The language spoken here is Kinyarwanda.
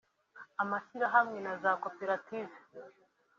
amashyirahamwe na za koperative